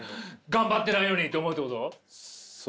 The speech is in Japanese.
頑張ってないのにって思うってこと？